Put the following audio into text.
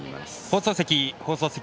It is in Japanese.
放送席、放送席。